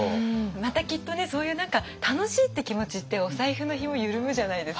またきっとねそういう楽しいって気持ちってお財布のひも緩むじゃないですか。